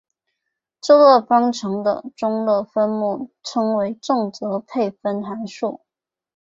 这个方程中的分母称为正则配分函数。